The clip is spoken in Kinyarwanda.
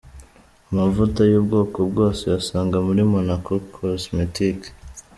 Amavuta y'ubwoko bwose uyasanga muri Monaco Cosmetics.